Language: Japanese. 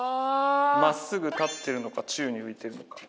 まっすぐ立ってるのか宙に浮いてるのか。